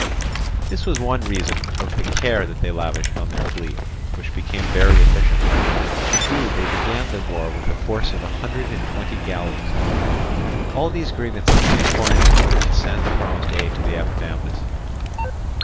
This was one reason of the care that they lavished on their fleet, which became very efficient; indeed they began the war with a force of a hundred and twenty galleys. All these grievances made Corinth eager to send the promised aid to Epidamnus.